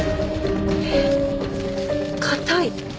えっ硬い。